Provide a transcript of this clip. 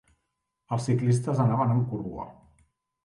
Els ciclistes anaven en corrua.